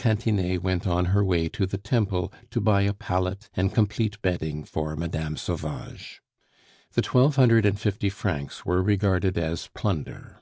Cantinet went on her way to the Temple to buy a pallet and complete bedding for Mme. Sauvage. The twelve hundred and fifty francs were regarded as plunder.